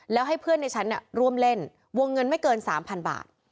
แล้วให้เพื่อนในฉันร่วมเล่นวงเงินไม่เกิน๓๐๐บาท